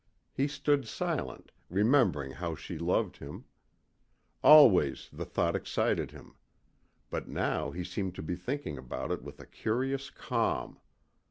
He stood silent, remembering how she loved him. Always the thought excited him. But now he seemed to be thinking about it with a curious calm.